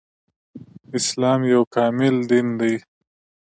اسلام يو کامل دين دی